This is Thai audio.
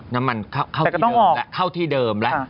น้ำมันเข้าที่เดิมแล้ว